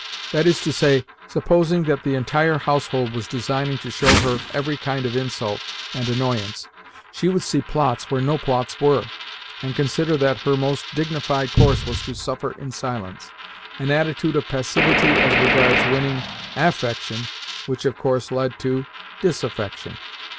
That is to say, supposing that the entire household was designing to show her every kind of insult and annoyance, she would see plots where no plots were, and consider that her most dignified course was to suffer in silence an attitude of passivity as regards winning AFfection which of course led to DISaffection.